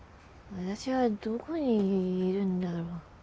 私はどこにいるんだろう。